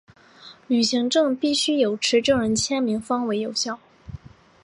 旅行证必须有持证人签名方为有效。